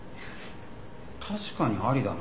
確かにありだな。